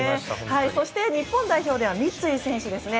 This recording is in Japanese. そして、日本代表では三井選手ですね。